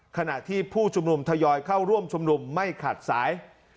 ขณะที่ผู้ชุมนุมทยอยเข้าร่วมชุมนุมไม่ขาดสาย